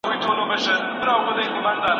چينايانو پرته له کومې وېرې خپله لاره ونيوله.